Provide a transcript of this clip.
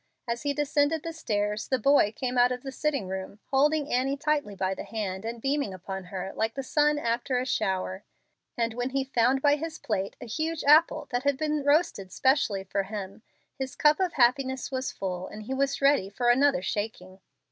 As he descended the stairs, the boy came out of the sitting room, holding Annie tightly by the hand and beaming upon her like the sun after a shower, and when he found by his plate a huge apple that had been roasted specially for him, his cup of happiness was full and he was ready for another shaking.